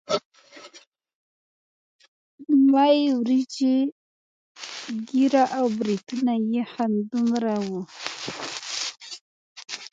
مۍ وريجې ږيره او برېتونه يې همدومره وو.